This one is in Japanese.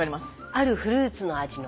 あるフルーツの味の。